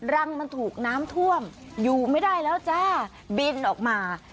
รังมันถูกน้ำท่วมอยู่ไม่ได้แล้วจ้าบินออกมา